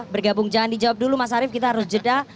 bergabung jangan dijawab dulu mas arief kita harus jeda